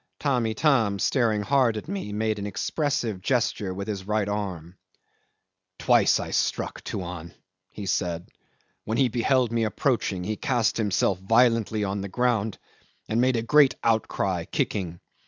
Tamb' Itam, staring hard at me, made an expressive gesture with his right arm. "Twice I struck, Tuan," he said. "When he beheld me approaching he cast himself violently on the ground and made a great outcry, kicking.